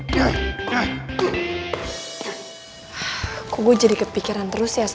duh kok gue malah jadi mikir macem macem gini ya